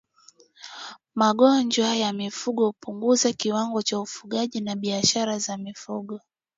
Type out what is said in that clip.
Magonjwa ya mifugo hupunguza kiwango cha ufugaji na biashara za mifugo